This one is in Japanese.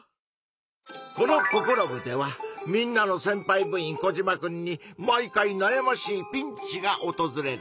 この「ココロ部！」ではみんなのせんぱい部員コジマくんに毎回なやましいピンチがおとずれる。